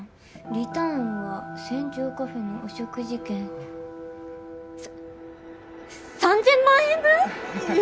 リターンは船上カフェのお食事券３０００万円分」！？